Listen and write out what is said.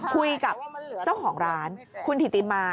คุยกับเจ้าของร้านคุณถิติมา